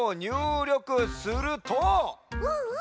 うんうん。